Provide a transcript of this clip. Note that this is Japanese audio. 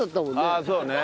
ああそうね。